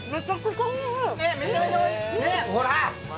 ほら。